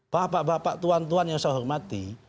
bapak bapak tuan tuan yang saya hormati